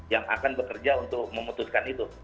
yang akan bekerja untuk memutuskan itu